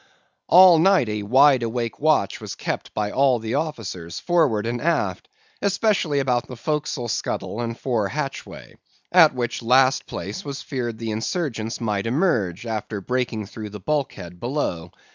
"All night a wide awake watch was kept by all the officers, forward and aft, especially about the forecastle scuttle and fore hatchway; at which last place it was feared the insurgents might emerge, after breaking through the bulkhead below.